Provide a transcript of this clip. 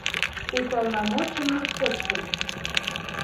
Уполномоченный кочкын...